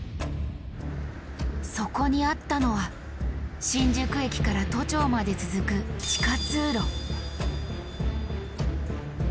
そこにあったのは新宿駅から都庁まで続く地下通路。